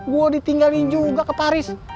gue ditinggalin juga ke paris